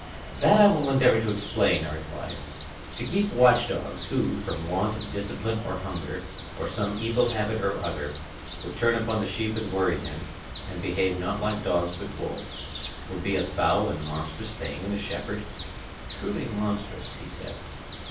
That I will endeavour to explain, I replied. To keep watch dogs, who, from want of discipline or hunger, or some evil habit or other, would turn upon the sheep and worry them, and behave not like dogs but wolves, would be a foul and monstrous thing in a shepherd? Truly monstrous, he said.